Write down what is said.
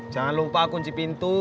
jangan lupa kunci pintu